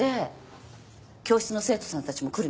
教室の生徒さんたちも来るみたいよ。